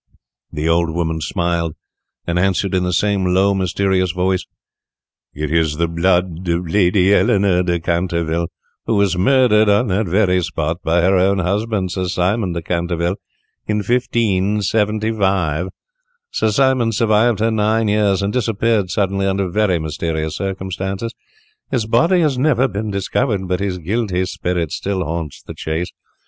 The old woman smiled, and answered in the same low, mysterious voice, "It is the blood of Lady Eleanore de Canterville, who was murdered on that very spot by her own husband, Sir Simon de Canterville, in 1575. Sir Simon survived her nine years, and disappeared suddenly under very mysterious circumstances. His body has never been discovered, but his guilty spirit still haunts the Chase.